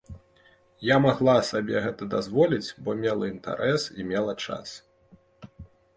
Я магла сабе гэта дазволіць, бо мела інтарэс і мела час.